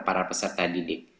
para peserta didik